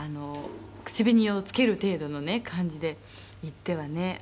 「口紅をつける程度のね感じで行ってはね」